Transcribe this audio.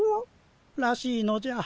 らしいのじゃ。